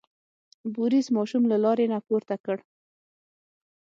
بوریس ماشوم له لارې نه پورته کړ.